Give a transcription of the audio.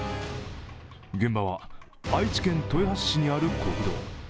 現場は、愛知県豊橋市にある国道。